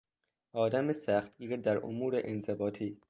آدم سختگیر در امور انضباطی